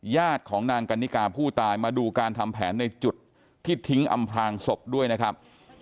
ญาติของนางกันนิกาผู้ตายมาดูการทำแผนในจุดที่ทิ้งอำพลางศพด้วยนะครับ